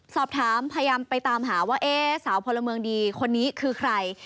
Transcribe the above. สอบถามพยายามไปตามหาว่าเอ๊ะสาวพลเมืองดีคนนี้คือใคร